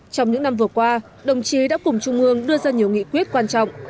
trong những năm vừa qua đồng chí đã cùng trung ương đưa ra nhiều nghị quyết quan trọng